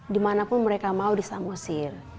di mana pun mereka mau di samosir